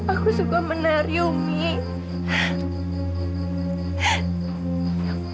aku suka menari umih